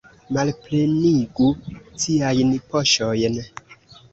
Malplenigu ciajn poŝojn!